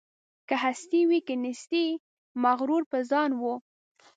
که هستي وه که نیستي مغرور په ځان وو